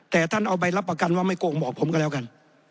แต่ท่านเอาใบรับประกันว่าไม่โกงบอกผมก็แล้วกัน